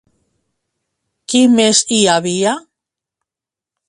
Qui més hi havia?